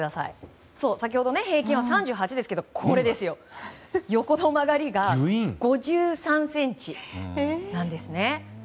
平均は３８ｃｍですけど横の曲がりが５３ｃｍなんです。